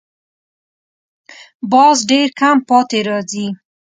باز ډېر کم پاتې راځي